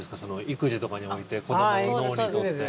育児とかにおいて子どもの脳にとって。